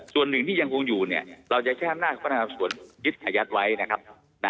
ส่วนหนึ่งที่ยังคงอยู่เนี่ยเราจะใช้อำนาจพนักงานส่วนยึดอายัดไว้นะครับ